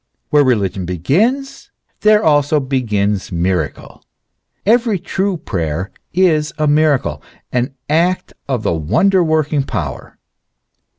Where religion begins, there also begins miracle. Every true prayer is a miracle, an act of the wonder working power.